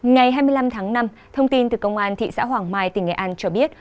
ngày hai mươi năm tháng năm thông tin từ công an thị xã hoàng mai tỉnh nghệ an cho biết